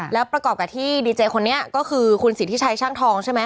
แล้วประกอบกับที่ดีเจคนนี้ก็คือคุณสิทธิชัยช่างทองใช่ไหม